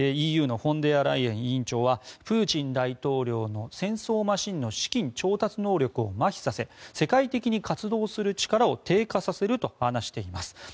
ＥＵのフォンデアライエン委員長はプーチン大統領の戦争マシンの資金調達能力をまひさせ世界的に活動する力を低下させると話しています。